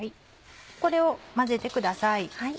これを混ぜてください。